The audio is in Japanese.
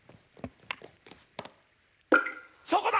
そこだ！